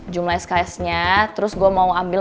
jumlah skys nya terus gue mau ambil